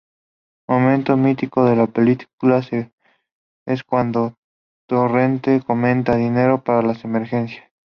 Momento mítico de la película es cuando Torrente comenta "dinero para las emergencias".